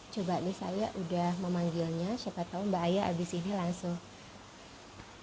coba nih saya sudah memanggilnya siapa tahu mbak aya habis ini langsung